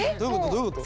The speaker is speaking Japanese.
どういうこと？